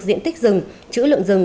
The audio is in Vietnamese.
diện tích rừng chữ lượng rừng